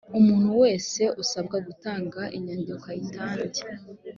umuntu wese usabwa gutanga inyandiko ayitange